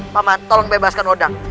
paman tolong bebaskan hodang